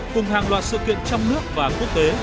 cùng hàng loạt sự kiện trong nước và quốc tế